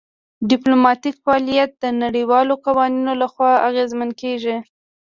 ډیپلوماتیک فعالیت د نړیوالو قوانینو لخوا اغیزمن کیږي